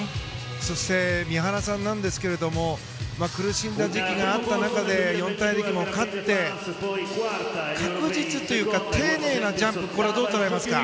そして三原さんなんですが苦しんだ時期があった中で四大陸も勝って確実というか丁寧なジャンプこれをどう捉えますか？